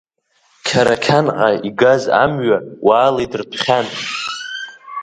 Қьа-рақьанҟа игаз амҩа уаала идырҭәхьан.